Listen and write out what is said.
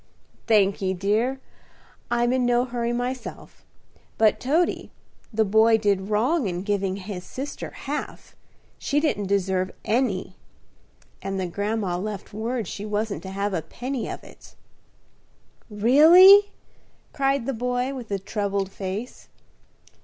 "Thankee, dear; I'm in no hurry, myself. But, Toady, the boy did wrong in giving his sister half; she didn't deserve any; and the grandma left word she wasn't to have a penny of it." "Really?" cried the boy, with a troubled face.